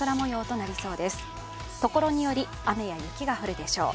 ところにより雨や雪が降るでしょう。